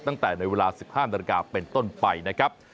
ตั้งแต่ในเวลา๑๕นาฬิกาเป็นต้นไปนะครับ